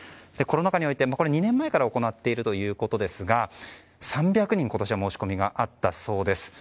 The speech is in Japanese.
コロナ禍において２年前から行っているということですが３００人今年は申し込みがあったそうです。